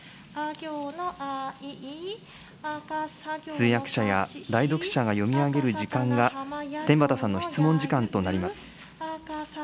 通訳者や代読者が読み上げる時間が、天畠さんの質問時間となります。